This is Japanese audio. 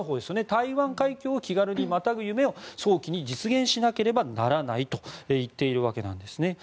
台湾海峡を気軽にまたぐ夢を早期に実現しなければならないと言っているわけです。